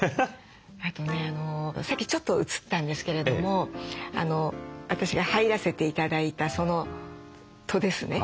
あとねさっきちょっと映ったんですけれども私が入らせて頂いた戸ですね。